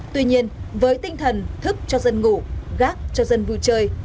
tuy nhiên với tinh thần thức cho dân ngủ gác cho dân vui chơi